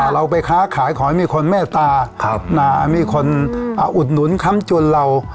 เราไปค้าขายขอให้มีคนเมตตามีคนอุดหนุนค้ำจวนเรา